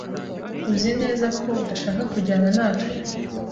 Uzi neza ko udashaka kujyana natwe?